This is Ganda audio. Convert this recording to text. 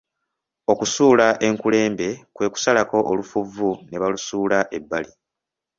Okusuula enkulembe kwe kusalako olufuvvu ne balusuula ebbali.